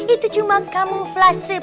itu cuma kamuflase pak